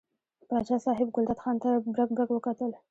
پاچا صاحب ګلداد خان ته برګ برګ وکتل.